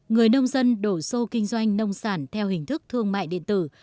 người nông dân đổ xô kinh doanh nông sản theo hình thức thương mại điện tử